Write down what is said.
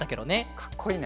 かっこいいね。